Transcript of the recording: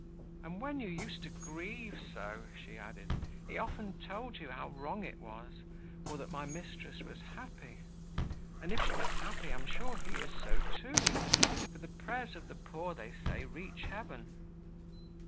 "And when you used to grieve so," she added, "he often told you how wrong it was—for that my mistress was happy. And, if she was happy, I am sure he is so too; for the prayers of the poor, they say, reach heaven."